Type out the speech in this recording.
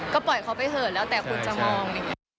ก็ปล่อยเขาไปเถอะแล้วแต่คุณจะมอง